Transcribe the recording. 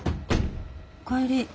お帰り。